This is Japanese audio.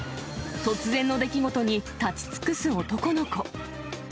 突然の出来事に、立ち尽くす男の子。